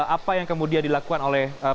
apa yang kemudian dilakukan oleh pak tkp